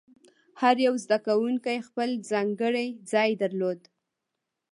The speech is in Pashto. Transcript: هر یو زده کوونکی خپل ځانګړی ځای درلود.